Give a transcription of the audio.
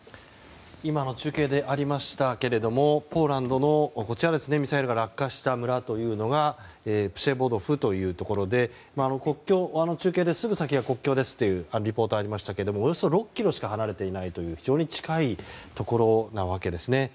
今中継でありましたけれどもポーランドのミサイルが落下した村というのがプシェボドフというところで中継ですぐ先が国境ですというリポートがありましたがおよそ６ｋｍしか離れていない非常に近いところなわけですね。